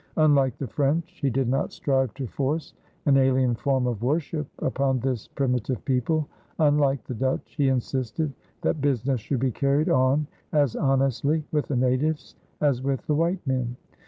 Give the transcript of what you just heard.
Unlike the French, he did not strive to force an alien form of worship upon this primitive people. Unlike the Dutch, he insisted that business should be carried on as honestly with the natives as with the white men.